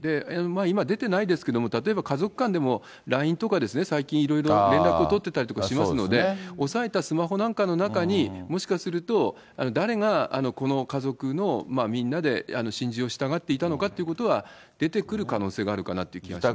今、出てないですけども、例えば家族間でもＬＩＮＥとか最近いろいろ、連絡を取ってたりとかしますので、押さえたスマホなんかの中に、もしかすると誰がこの家族のみんなで心中をしたがっていたのかというのは、出てくる可能性があるかなって気がしますね。